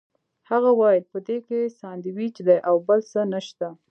هغه وویل په دې کې ساندوېچ دي او بل څه نشته.